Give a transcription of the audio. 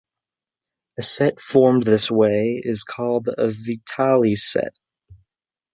A set formed this way is called a Vitali set.